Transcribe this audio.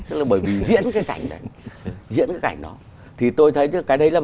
tức là bởi vì diễn cái cảnh đó